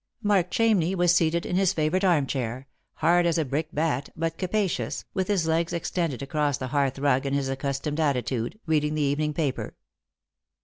Mark Chamney was seated in his favourite arm chair, hard as a brick bat but capa cious, with his legs extended across the hearth rug in his accus tomed attitude, reading the evening paper.